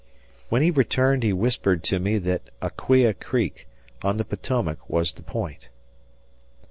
When he returned, he whispered to me that Aquia Creek, on the Potomac, was the point.